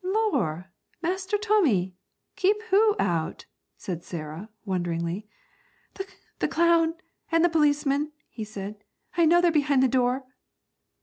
'Lor', Master Tommy! keep who out?' said Sarah, wonderingly. 'The the clown and the policemen,' he said. 'I know they're behind the door.'